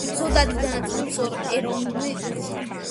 ზოგადი განათლების ეროვნული მიზნები